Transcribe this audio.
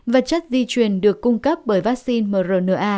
vật chất di truyền được cung cấp bởi vaccine mrna